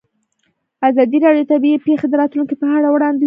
ازادي راډیو د طبیعي پېښې د راتلونکې په اړه وړاندوینې کړې.